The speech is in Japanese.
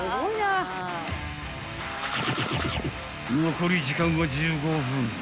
［残り時間は１５分］